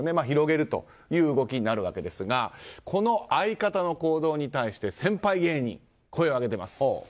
広げるという動きになるわけですがこの相方の行動に対して先輩芸人が声を上げています。